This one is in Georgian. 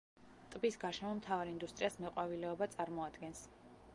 ტბის გარშემო მთავარ ინდუსტრიას მეყვავილეობა წარმოადგენს.